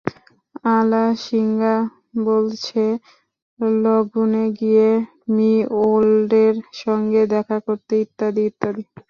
আলাসিঙ্গা বলছে, লণ্ডনে গিয়ে মি ওল্ডের সঙ্গে দেখা করতে, ইত্যাদি ইত্যাদি।